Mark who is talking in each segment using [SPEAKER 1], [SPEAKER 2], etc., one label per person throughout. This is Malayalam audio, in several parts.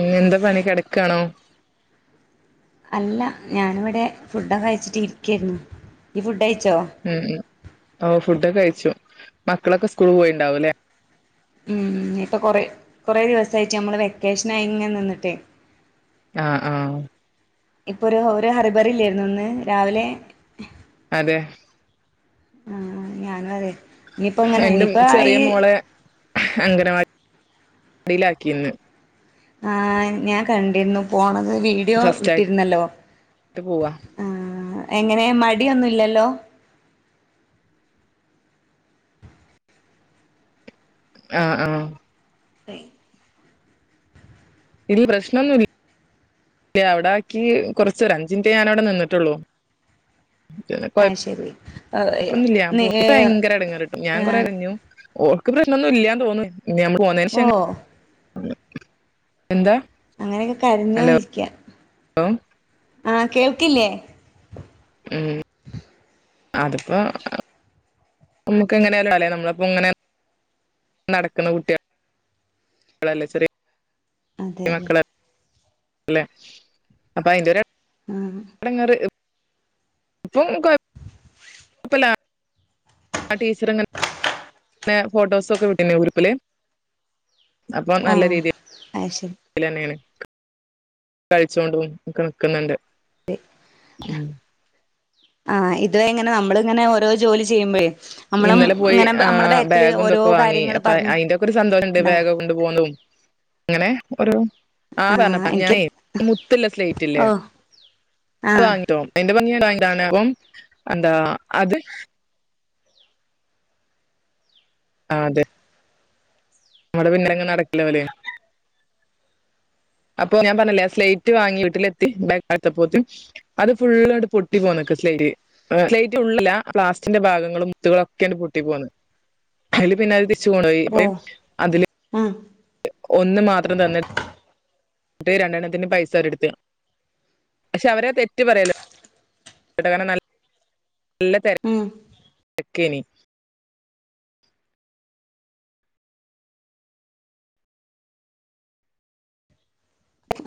[SPEAKER 1] ഉം എന്താ പനി കിടക്കാണോ
[SPEAKER 2] അല്ല ഞാനിവിടെ ഫുഡൊക്കെ അയച്ചിട്ട് ഇരിക്കയായിരുന്നു ഈ ഫുഡ് അയച്ചോ
[SPEAKER 1] ഉം ഉം ഓ ഫുഡ്ക്കെ കഴിച്ചു മക്കളൊക്കെ സ്കൂൾ പോയിണ്ടാവും അല്ലേ
[SPEAKER 2] ഉം ഇപ്പം കുറ കുറേ ദിവസമായിട്ട് നമ്മൾ വെക്കേഷൻ ആയങ്ങെ നിന്നിട്ടേ
[SPEAKER 1] ആഹ് ആഹ്
[SPEAKER 2] ഇപ്പൊ ഒരു ഒരു ഹറിബറി ഇല്ലായിരുന്നു ഒന്ന് രാവിലെ
[SPEAKER 1] അതെ
[SPEAKER 2] ആഹ് ഞാനും അതെ ഇനിയിപ്പ അങ്ങനെ ഇനിപ്പ ഈ
[SPEAKER 1] അംഗനവാടിയിലാക്കിന്ന്
[SPEAKER 2] ആഹ് ഞാൻ കണ്ടിരുന്നു പോണത് വീഡിയോ
[SPEAKER 1] ഫസ്റ്റ്
[SPEAKER 2] ഇട്ടിരുന്നല്ലോ
[SPEAKER 1] ആയിട്ട് പോവാ
[SPEAKER 2] ആഹ് എങ്ങനെ മടിയൊന്നുംല്ലല്ലോ
[SPEAKER 1] ആഹ് ആഹ്
[SPEAKER 2] [inaudible]
[SPEAKER 1] ഇല്ല പ്രശ്നൊന്നുല്ല അല്ല അവിട ആാക്കി കുറച്ച അഞ്ജിന്റെ ഞാൻ അവിടെ നിന്നിട്ടുള്ളൂ
[SPEAKER 2] ശെരി
[SPEAKER 1] ഇപ്പൊന്നില്ല ഞ പോയി ഭയങ്കര ഇടങ്ങാറിട്ടും ഞാൻ
[SPEAKER 2] ആ
[SPEAKER 1] കൊറെ കരഞ്ഞു ഓർക്ക് പ്രശ്നൊന്നും ഇല്ല്യന്ന് തോന്നു ഇ നമ്മള്
[SPEAKER 2] ഓ
[SPEAKER 1] പോന്നേ എന്താ
[SPEAKER 2] അങ്ങനെയൊക്കെ കരഞ്ഞോ
[SPEAKER 1] ഹലോ
[SPEAKER 2] വിരിക്കാം ആഹ് കേൾക്കില്ലേ
[SPEAKER 1] ഉം അതിപ്പോ നമുക്ക് എങ്ങനെയാലും അല്ലേ നമ്മളപ്പോ ഇങ്ങനെ നടക്കുന്ന കുട്ടികല്ല ചെറിയ
[SPEAKER 2] അതെ അതെ
[SPEAKER 1] അപ്പ അതിന്റെ
[SPEAKER 2] ആഹ്
[SPEAKER 1] എടങ്ങേറ് കുഴപ്പം ആ ടീച്ചർങ്ങനെ ഫോട്ടോസൊക്കെ വിട്ടന്ന ഗ്രൂപ്പിൽ
[SPEAKER 2] ആഹ് അയ്ശരി
[SPEAKER 1] ഇന്നെയാണ് കഴിച്ചോണ്ട് നി ക്കുന്നുണ്ട്
[SPEAKER 2] [inaudible] ആഹ് ഇത്വ എങ്ങനെ നമ്മള ഇങ്ങനെ ഓരോ ജോലി ചെയ്യുമ്പോഴേ
[SPEAKER 1] ഇന്നലെ പോയി ബാഗ്തൊക്കെ വാങ്ങി
[SPEAKER 2] കാര്യങ്ങള്
[SPEAKER 1] അപ്പ
[SPEAKER 2] പറഞ്ഞ്
[SPEAKER 1] അതിന്റെയൊക്കെ ഒരു സന്തോഷംഉണ്ട്
[SPEAKER 2] ഉണ്ടാവ
[SPEAKER 1] ബാഗൊക്കെ [inaudible] അങ്ങനെ ഒരു
[SPEAKER 2] ആഹ്
[SPEAKER 1] ആതണട്ടാ ഞൻ
[SPEAKER 2] എനിക്ക്
[SPEAKER 1] മുത്തല്ല സ്ലേറ്റ്ല്ലേ
[SPEAKER 2] ഓഹ്
[SPEAKER 1] അത്
[SPEAKER 2] ആഹ്
[SPEAKER 1] വാങ്ങിട്ടോ അയിന്റെ ഭംഗി [inaudible] അന്താ അത് ആഹ അതെ നമ്മടെ പിന്നെ അങ്ങ് നടക്കില്ല പോലേ അപ്പൊ ഞാൻ പറഞ്ഞില്ലേ സ്ലൈറ്റ് വാങ്ങി വീട്ടിലെത്തി ബാത്തപ്പോത് അത് ഫുുള്ളായിട്ട് പൊട്ടി പോന്നക്ക സ്ലൈരി ലൈറ്റ് ഉള്ള പ്ലാസ്റ്റിക്ന്റെ ഭാഗങ്ങളും മുത്തുകളും ഒക്കെയ പൊട്ടി പോകുന്നത് അതില് പിന്നെ അത്
[SPEAKER 2] ഓഹ്
[SPEAKER 1] അതില്
[SPEAKER 2] ഉം
[SPEAKER 1] ഒന്ന് മാത്രം തന്നെ രണ്ടെണ്ത്തിന് പൈസ അവർ എടുത്ത് പക്ഷെ അവരെ തെറ്റ് പറയല്ലോ [unintelligible] നല്ല നല്ലതിര
[SPEAKER 2] ഉം
[SPEAKER 1] ക്കേനി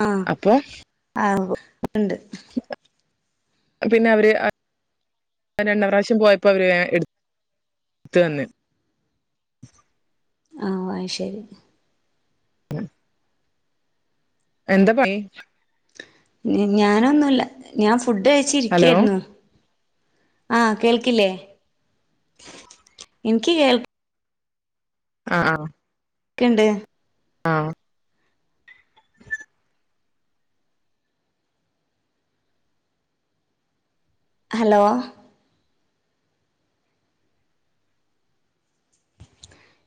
[SPEAKER 2] ആഹ
[SPEAKER 1] അപ്പൊ
[SPEAKER 2] ആഹ ഇണ്ട്..
[SPEAKER 1] പിന്നെ അവര് അ.. രണ്ട പ്രാവശ്യം പോയപ്പോൾ അവർ ഇടുത്ത് തന്ന്..
[SPEAKER 2] ആഹ ആയി ശെരി..
[SPEAKER 1] മ്മ് എന്താ പണി..
[SPEAKER 2] ഞാനൊന്നുല്ല ഞാൻ ഫുഡ് കഴിച്
[SPEAKER 1] ഹലോ
[SPEAKER 2] ഇരിക്കായിരുന്നു.. ആഹ കേൾക്കില്ലേ.. ഇനിക്ക് കേൾ..
[SPEAKER 1] ആഹ ആ..
[SPEAKER 2] ക്ക്‌ൻണ്ട്..
[SPEAKER 1] ആഹ..
[SPEAKER 2] ഹലോ..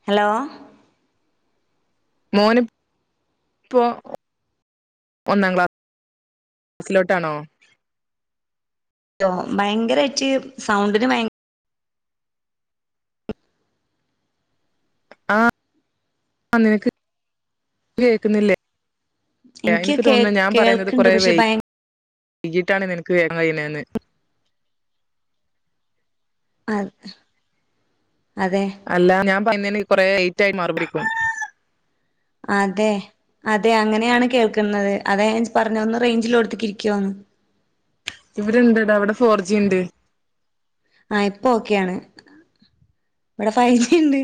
[SPEAKER 2] ഹലോ..
[SPEAKER 1] മോൻ പ്പോ ഒന്നാം ക്ലാസ്.. സിലോട്ട് ആണോ..
[SPEAKER 2] ട്ടോ ഭയങ്കരായ്ട്ട് സൗണ്ടിന് ഭയ..
[SPEAKER 1] ആഹ ആ നിനക്ക് കേൾക്കുന്നില്ലേ.. എനിക്ക്
[SPEAKER 2] കേ
[SPEAKER 1] തോന്നുന്നു ഞാൻ പറയുന്നത്
[SPEAKER 2] കേൾക്ക്ണ്ട്
[SPEAKER 1] കൊറെ
[SPEAKER 2] പക്ഷെ
[SPEAKER 1] വൈ..
[SPEAKER 2] ഭയ
[SPEAKER 1] കീട്ടാണ് നിനക്ക് വേഗം എന്ന്
[SPEAKER 2] അത് അതെ..
[SPEAKER 1] അല്ല ഞാൻ പറയുന്നതിന് കുറെലയ്റ്റ് ആയി മാറുപിടിക്കും..
[SPEAKER 2] അതെ അതെ അങ്ങനെയാണ് കേൾക്കുന്നത് അതെ പറഞ്ഞത് ഒന്ന് റൈഞ്ച് ഉള്ളൊട്ത്ക്ക്‌ ക്കിരിക്കുവോന്ന്..
[SPEAKER 1] ഇവിടെണ്ട് താ വിടെ ഫോർ ജി ഇണ്ട്..
[SPEAKER 2] ആഹ ഇപ്പ ഓക്കെയാണ് ഇവിടെ ഫൈവ് ജി ഇണ്ട്..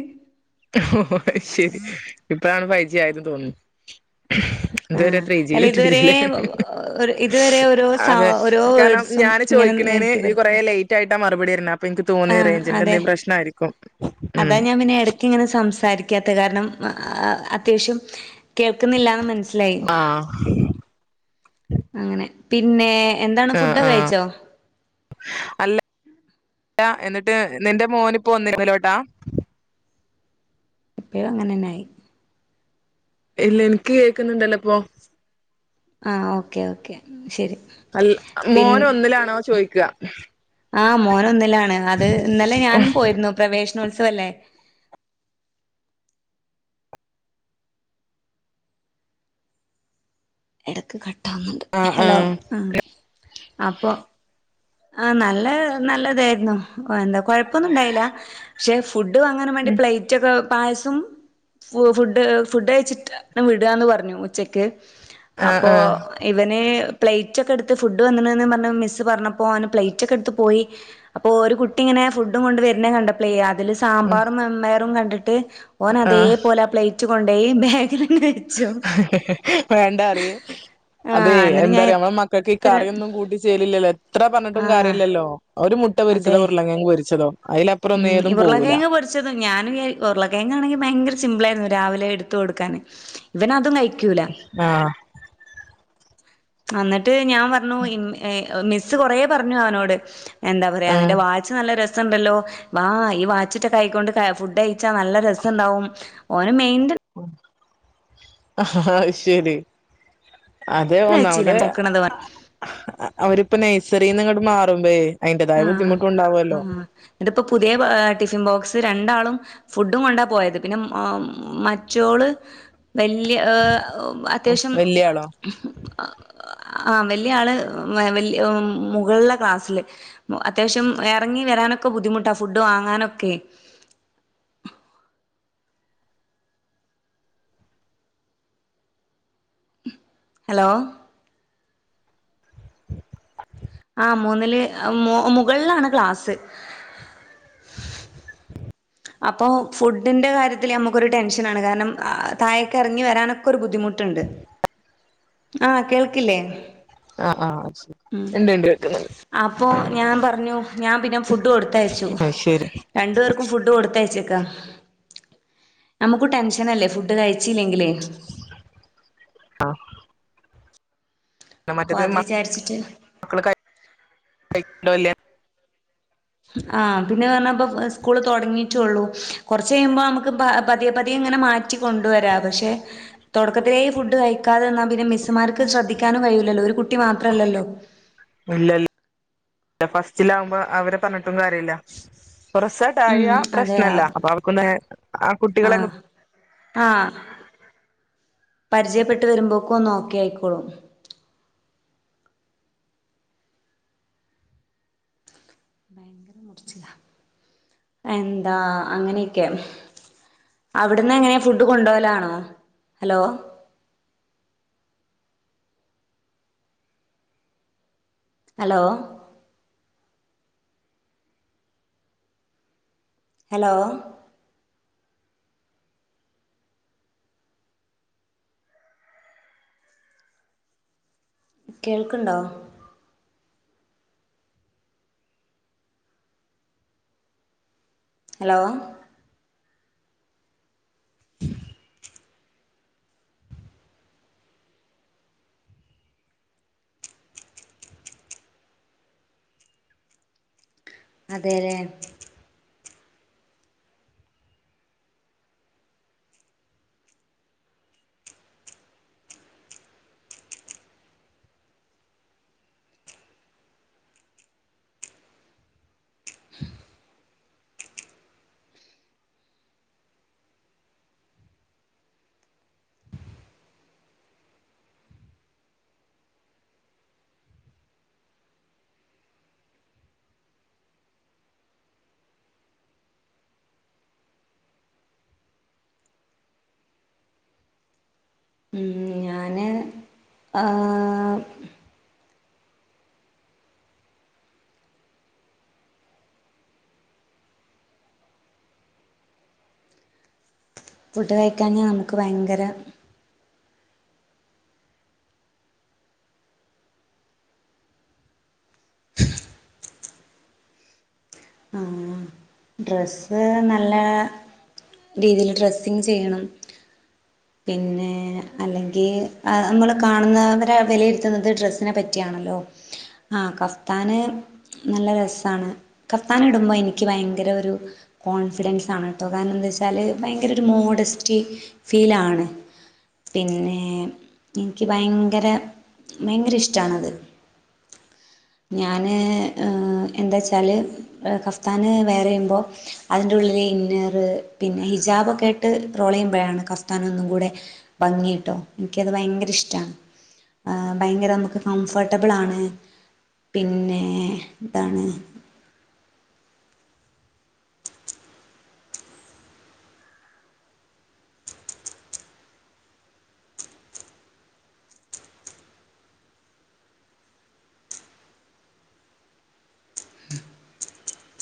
[SPEAKER 1] ഓ അഹ് ശെരി ഇപ്പഴാണ് ഫൈ ജി ആയത് തോനുണ്.. ഇതുവരെ
[SPEAKER 2] ആഹ്
[SPEAKER 1] ത്രീ
[SPEAKER 2] അല്ല
[SPEAKER 1] ജിയിലിട്ട്
[SPEAKER 2] ഇതുവരെ ഇതുവരെ ഓരോ സ
[SPEAKER 1] അതെ
[SPEAKER 2] ഓരോ
[SPEAKER 1] കാരണം..
[SPEAKER 2] വേഡ്സും
[SPEAKER 1] ഞാന്
[SPEAKER 2] ഇങ്ങനെ
[SPEAKER 1] ചോയ്ക്കിണിന്ന്
[SPEAKER 2] നീട്ടി
[SPEAKER 1] ഈയ് കുറ
[SPEAKER 2] വരുത്തി
[SPEAKER 1] ലേറ്റ്.. റ്റായിട്ട മറുപടി തരുന്നെ അപ്പ ഇൻക്ക് തോന്നി
[SPEAKER 2] ആഹ്
[SPEAKER 1] റേയ്ഞ്ച്ന്റെ
[SPEAKER 2] അതെ
[SPEAKER 1] എന്തെങ്കിലും പ്രശ്നം ആരിക്കും ഉം..
[SPEAKER 2] ന്ക്ക്‌ ഇങ്ങനെ സംസാരിക്കാത്ത കാരണം അത്യാവശ്യം.. കേൾക്കുന്നില്ലന്ന് മനസ്സിലായി
[SPEAKER 1] ആഹ്
[SPEAKER 2] അങ്ങനെ പിന്നെ.. എന്താണ് ഫുഡ് ഒക്കെ കഴിച്ചോ..
[SPEAKER 1] അല്ലാ എന്നിട്ട് നിന്റെ മോനിപ്പോ ഒന്നിലോട്ടാ..
[SPEAKER 2] ഇപ്പോഴും അങ്ങനെന്നെയി..
[SPEAKER 1] ഇല്ല എനിക്ക് കേൾക്കുന്നുണ്ടല്ലോ ഇപ്പൊ..
[SPEAKER 2] ആഹ ഓക്കെ ഓക്കേ ശെരി..
[SPEAKER 1] അൽ മോന് ഒന്നിലാണോ ചോയ്ക്കാ..
[SPEAKER 2] ആഹ് മോന് ഒന്നിലാണ് അത് ഇന്നലെ ഞാനും പോയിരുന്നു പ്രവേശനോത്സവല്ലേ എടക്ക് കട്ടാക്കുന്നുണ്ട്
[SPEAKER 1] ആഹ്
[SPEAKER 2] ഹലോ
[SPEAKER 1] ആഹ്
[SPEAKER 2] ആ അപ്പൊ ആ നല്ല നല്ലതായിരുന്നു അ എന്താ കൊഴപ്പൊന്നും ഇണ്ടായില്ല പക്ഷെ ഫുഡും വാങ്ങാനും വേണ്ടി പ്ലേറ്റ് ഒക്കെ പായസം ഫു ഫുഡ് ഫുഡ് അയച്ചിട്ട വിടാന്ന് പറഞ്ഞു ഉച്ചക്ക്
[SPEAKER 1] ആഹ്
[SPEAKER 2] അപ്പോ
[SPEAKER 1] ആഹ്
[SPEAKER 2] ഇവന് പ്ലേറ്റ് ഒക്കെ എടുത്ത് ഫുഡ് വന്ന്ക്ണ് പറഞ്ഞപ്പോ മിസ്സ് പറഞ്ഞ അപ്പൊ ഓന് പ്ലേറ്റ് ഒക്കെ എടുത്ത് പോയി അപ്പോ ഒരു കുട്ടി ഇങ്ങനെ ഫുഡും കൊണ്ട് വരുന്ന കണ്ടപ്പാളെ അതിൽ
[SPEAKER 1] ഉം
[SPEAKER 2] സാമ്പാറും മൺപയറും കണ്ടിട്ട് ഓൻ
[SPEAKER 1] ആഹ്
[SPEAKER 2] അതേപോലെ ആ പ്ലയ്റ്റ് കൊണ്ടോയി ബാഗിൽ
[SPEAKER 1] [unintelligible] വേണ്ട പറയ് അതെ
[SPEAKER 2] ആഹ് എന്നിട്ട് ഞാൻ
[SPEAKER 1] എന്താന്നറിയൊ നമ്മളെ മക്കൾക്ക് ഈ
[SPEAKER 2] എത്ര
[SPEAKER 1] കറിയൊന്നും കൂട്ടി ചെല് ഇല്ലാല്ലോ ഇത്ര പറഞ്ഞിട്ടും കാര്യ
[SPEAKER 2] ആഹ്
[SPEAKER 1] ല്ലല്ലോ ഒരു മുട്ട
[SPEAKER 2] അതെ
[SPEAKER 1] പൊരിച്ചതോ ഉരുള കിഴങ് പരിച്ചതോ
[SPEAKER 2] ഉം
[SPEAKER 1] അതിലപ്പറൊന്നും ഏതും പോവൂല്ല
[SPEAKER 2] ഉരുളക്കിഴങ്ങ് ഞാനും ഉരുളക്കിഴങ്ങാണെങ്കിൽ ഭയങ്കര സിമ്പിൾ ആയിരുന്നു രാവിലെ എടുത്ത് കൊടുക്കാൻ ഇവന് അതും കഴിക്കൂല
[SPEAKER 1] ആഹ്
[SPEAKER 2] എന്നിട്ട് ഞൻ കൊറ പറഞ്ഞു മിസ്സ്‌ കൊറേ പറഞ്ഞവനോടെ എന്താ പറയാ
[SPEAKER 1] ആഹ്
[SPEAKER 2] നിന്റെ വാ ച്ച് നല്ല രസണ്ടല്ലോ വാ ഈ വാച്ചിട്ടകൈക്കൊണ്ട് ഫുഡ് കാഴിച്ചാ നല്ല രസം ഉണ്ടാവും ഒന് മെയിന്റ ഹ
[SPEAKER 1] ഹ ഹ അഹ്ശരി അത
[SPEAKER 2] വെച്ചില്ല
[SPEAKER 1] ഒന്നാമത്
[SPEAKER 2] നോക്കണത് ഓൻ
[SPEAKER 1] അ അവരിപ്പ നൈസറിന്ന്ങ്ങോട്ട് മാറുമ്പേ അയിന്റേതായ ബുദ്ധിമുട്ട് ഉണ്ടാവുമല്ലോ
[SPEAKER 2] ഇതിപ്പോ പുതിയ ടിഫിൻ ബോക്സ് രണ്ടാളും ഫുഡും കൊണ്ടാ പോയത് പിന്നെ മറ്റോള് വല്യ ഏ അത്യാവശ്യം
[SPEAKER 1] വല്യ ആളോ
[SPEAKER 2] ആഹ വല്യ ആള് വ മുകളുള്ള ക്ലാസ്സില് അത്യാവശ്യം ഇറങ്ങി വരാനൊക്കെ ബുദ്ധിമുട്ടാ ഫുഡ് വാങ്ങാനൊക്കെ ഹലോ ആ മൂന്നില് മുകള്ലാണ് ക്ലാസ് അപ്പോൾ ഫുഡിന്റെ കാര്യത്തിൽ നമുക്കൊരു ടെൻഷനാണ് കാരണം തായെകെരങ്ങി വരാനൊക്കെ ഒരു ബുദ്ധിമുട്ട് ട്ട്ണ്ട് ആഹ് കേൾക്കില്ലേ
[SPEAKER 1] ആഹ് ആഹ് ശരി ഇണ്ട് ഇണ്ട് കേൾക്കുന്ന്ണ്ട്
[SPEAKER 2] അപ്പോ ഞാൻ പറഞ്ഞു ഞാൻ പിന്നെ ഫുഡ് കൊടുത്തയച്ചു
[SPEAKER 1] അത് ശരി
[SPEAKER 2] രണ്ടു പേർക്കും ഫുഡ് കൊടുത്ത കെടുത്തയച്ചക്ക നമുക്ക് ടെൻഷനല്ലേ ഫുഡ് കഴിച്ചില്ലെങ്കില്
[SPEAKER 1] ആഹ് പിന്നെ
[SPEAKER 2] അപ്പൊ
[SPEAKER 1] മറ്റത്
[SPEAKER 2] അത് വിചാരിച്ചിട്ട്
[SPEAKER 1] മക്കള് കഴക്ക്ണ്ടോ ഇല്ലേ
[SPEAKER 2] ആ പിന്നെ പറഞ്ഞപ്പ സ്കൂൾ തുടങ്ങിട്ടുള്ളൂ കുറച്ച കഴിയുമ്പോ നമുക്ക് പതിയെ പതിയെ ഇങ്ങനെ മാറ്റ റ്റി കൊണ്ട് വര പക്ഷെ തുടാക്കത്തിലെ ഫുഡ്‌ കയ്യ്ക്കതെന്നാ പിന്നെ മിസ്മാർക്ക് ശ്രദ്ധിക്കാനു കയൂലല്ലോ ഒരു കുട്ടി മാത്രല്ലല്ലോ
[SPEAKER 1] ഇല്ല ഫസ്റ്റിലാവുമ്പോ അവര് പറഞ്ഞിട്ടും കാര്യല്ല [unintelligible]
[SPEAKER 2] ഉം
[SPEAKER 1] [unintelligible]
[SPEAKER 2] അതെ
[SPEAKER 1] പ്രശ്നമല്ല അപ്പൊ അവർക്ക് ആ കുട്ടികള
[SPEAKER 2] ആഹ് പരിചയപ്പെട്ട് വരുമ്പോക്ക ഒന്ന് ഓക്കെ ആയിക്കോളും എന്താ അങ്ങനെയെക്കെയാണ് അവിടുന്ന് എങ്ങനെയാണ് ഫുഡ് കൊണ്ടോവലാണോ ഹലോ ഹലോ ഹലോ കേൾക്കണ്ടോ ഹലോ അതെലേ [inaudible] ഉം ഞാന് ആ ഫുഡ് കഴിക്കാഞ്ഞ നമുക്ക് ഭയങ്കര മ്മ് ഡ്രസ്സ് നല്ല രീതിൽ ഡ്രസ്സിങ് ചെയ്യണം പിന്നെ അല്ലെങ്കിൽ നമ്മൾ കാണുന്നവരെ വിലയിരുത്തുന്നത് ഡ്രെസ്സിനെ പറ്റിയാണല്ലോ ആഹ് കഫസ്താന് നല്ല രസമാണ് കഫ്താന് ഇടുമ്പോൾ എനിക്ക് ഭയങ്കര ഒരു കോൺഫിഡൻസ് ആണ് കേട്ടോ കാരണം എന്താ വെച്ചാൽ ഭയങ്കര ഒരു മോഡസ്റ്റി ഫീലാണ് പിന്നെ എനിക്ക് ഭയങ്കര ഭയങ്കര ഇഷ്ടണത് ഞൻ എന്താ വച്ചാൽ കഫ്താനി വേറെ ചെയ്യുമ്പോൾ അതിൻന്റെറെ ഉള്ളിലെ ഇന്നറ് പിന്നെ ഹിജാബ്ക്കെ ആട്ട് റോളയുംമ്പഴാണ് കഫ്‌താനൊന്നും കൂടെ ഭംഗിക്കിട്ടും എനിക്കത് ഭയങ്കര ഇഷ്ടമാണ് ഭയങ്കര നമുക്ക് കംഫർട്ടബിൾ ആണ് പിന്നെ ഇതാണ്